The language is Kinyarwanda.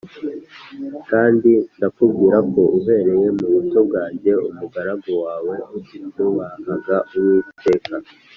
kandi ndakubwira ko uhereye mu buto bwanjye umugaragu wawe nubahaga Uwiteka